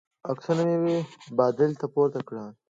عکسونه مې بادل ته پورته کړل.